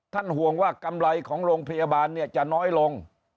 ห่วงว่ากำไรของโรงพยาบาลเนี่ยจะน้อยลง